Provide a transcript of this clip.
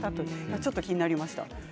ちょっと気になりました。